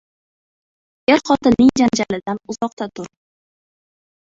• Er-xotinning janjalidan uzoqda tur.